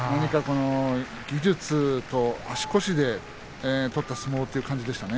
技術と足腰で取った相撲という感じでした。